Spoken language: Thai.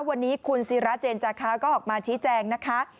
วันนี้คุณศิราเจนจาคะก็ออกมาชี้แจงนะคะ